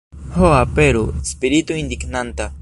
Ho, aperu, Spirito indignanta!